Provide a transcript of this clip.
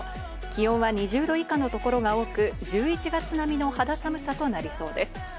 気温は２０度以下の所が多く、１１月並みの肌寒さとなりそうです。